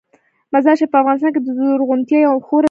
مزارشریف په افغانستان کې د زرغونتیا یوه خورا لویه نښه ده.